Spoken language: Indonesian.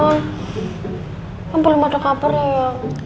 kan belum ada kabar ya ya